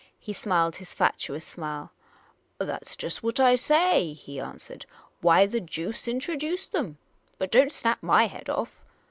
He smiled his fatuous smile. " That 's just what I say," he answered. '' Why the jooce introduce them ? But don't snap my head off